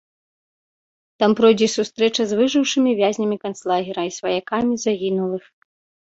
Там пройдзе сустрэча з выжыўшымі вязнямі канцлагера і сваякамі загінулых.